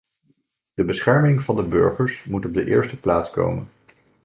De bescherming van de burgers moet op de eerste plaats komen.